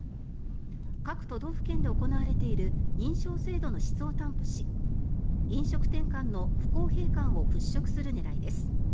各都道府県で行われている認証制度の質を担保し飲食店間の不公平感を払しょくする狙いです。